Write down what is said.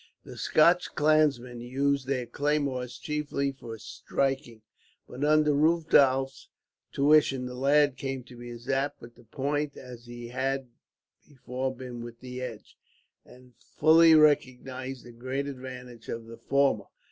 The Scotch clansmen used their claymores chiefly for striking; but under Rudolph's tuition the lad came to be as apt with the point as he had before been with the edge, and fully recognized the great advantages of the former.